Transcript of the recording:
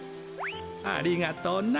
ありがとうな。